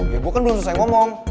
ya gue kan belum selesai ngomong